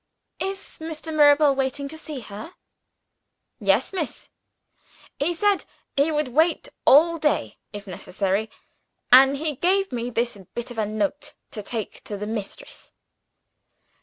"Is Mr. Mirabel waiting to see her?" "Yes, miss. He said he would wait all day, if necessary; and he gave me this bit of a note to take to the mistress."